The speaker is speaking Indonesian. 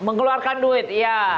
mengeluarkan duit ya